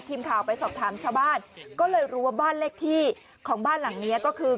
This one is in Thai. ทีมข่าวไปสอบถามชาวบ้านก็เลยรู้ว่าบ้านเลขที่ของบ้านหลังนี้ก็คือ